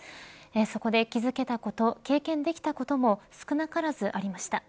そこで気付たこと、経験できたことも少なからずありました。